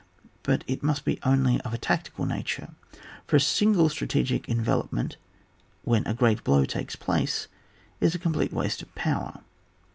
But it must be only of a tactical nature, for a strategic envelopment when a great blow takes place, is a complete waste of power.